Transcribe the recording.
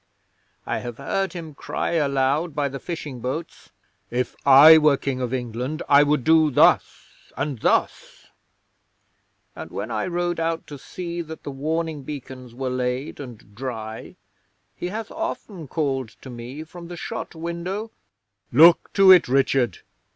I have heard him cry aloud by the fishing boats: "If I were King of England I would do thus and thus"; and when I rode out to see that the warning beacons were laid and dry, he hath often called to me from the shot window: "Look to it, Richard!